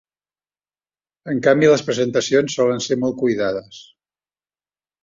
En canvi les presentacions solen ser molt cuidades.